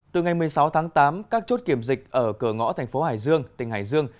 từ ngày một mươi sáu tháng tám các chốt kiểm dịch ở cửa ngõ thành phố hải dương tỉnh hải dương